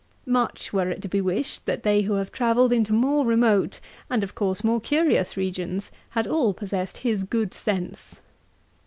Much were it to be wished, that they who have travelled into more remote, and of course more curious regions, had all possessed his good sense.